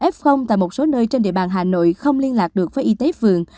f tại một số nơi trên địa bàn hà nội không liên lạc được với y tế phường